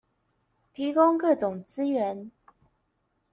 提供各種資源